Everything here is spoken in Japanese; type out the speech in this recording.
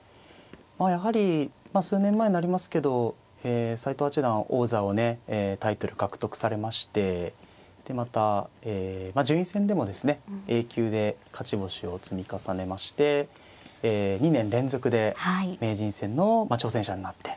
まあやはり数年前になりますけど斎藤八段王座をねタイトル獲得されましてでまた順位戦でもですねＡ級で勝ち星を積み重ねまして２年連続で名人戦の挑戦者になって。